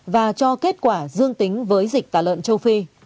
và cho kết quả dương tính với dịch tả lợn châu phi